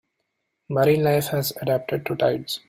Marine life has adapted to tides.